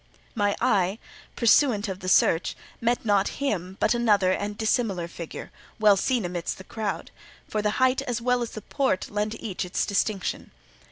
My eye, pursuant of the search, met not him, but another and dissimilar figure, well seen amidst the crowd, for the height as well as the port lent each its distinction.